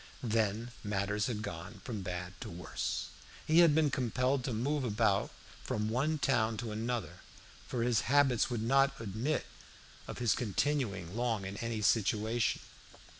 Then matters had gone from bad to worse. He had been compelled to move about from one town to another, for his habits would not admit of his continuing long in any situation.